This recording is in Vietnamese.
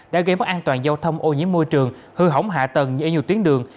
đã gây mất an toàn giao thông ô nhiễm môi trường hư hỏng hạ tầng nhẹ nhùa tuyến đường